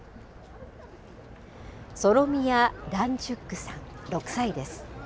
ソロミヤ・ダンチュックさん６歳です。